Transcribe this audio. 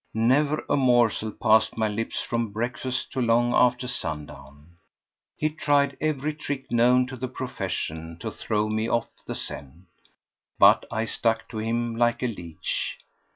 Never a morsel passed my lips from breakfast to long after sundown. He tried every trick known to the profession to throw me off the scent. But I stuck to him like a leech.